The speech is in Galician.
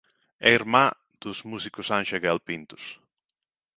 É irmá dos músicos Anxo e Gael Pintos.